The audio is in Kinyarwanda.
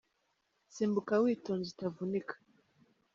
Simbuka witonze utavunika.